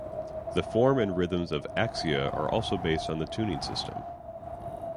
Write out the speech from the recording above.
The form and rhythms of "axia" are also based on the tuning system.